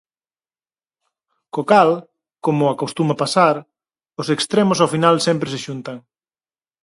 Co cal, como acostuma pasar, os extremos ao final sempre se xuntan.